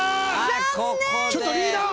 ちょっとリーダー！